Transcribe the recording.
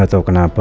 gak tau kenapa